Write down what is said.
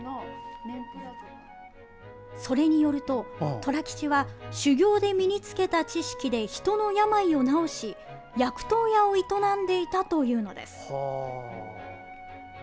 それによると寅吉は、修行で身につけた知識で人の病を治し薬湯屋を営んでいたというのです。